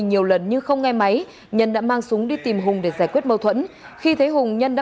nhiều lần nhưng không nghe máy nhân đã mang súng đi tìm hùng để giải quyết mâu thuẫn khi thấy hùng